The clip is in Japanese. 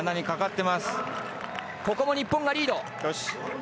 ここも日本がリード。